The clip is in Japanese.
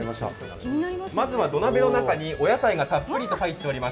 まずは、土鍋の中にお野菜がたっぷりと入っております。